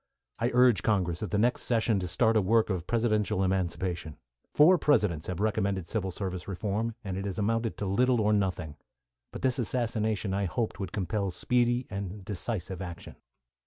I urged Congress at the next session to start a work of presidential emancipation. Four Presidents have recommended civil service reform, and it has amounted to little or nothing. But this assassination I hoped would compel speedy and decisive action.